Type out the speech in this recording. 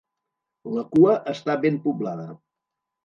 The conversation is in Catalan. La cua està ben poblada.